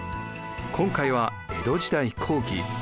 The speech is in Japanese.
今回は江戸時代後期。